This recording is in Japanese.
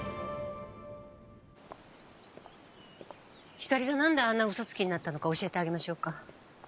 ひかりがなんであんなウソつきになったのか教えてあげましょうか？